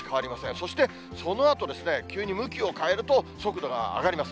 そして、そのあと急に向きを変えると、速度が上がります。